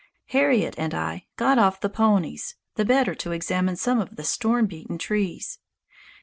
Harriet and I got off the ponies the better to examine some of the storm beaten trees.